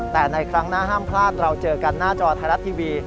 แต่ในครั้งหน้าห้ามพลาดเราเจอกันหน้าจอไทยรัฐทีวี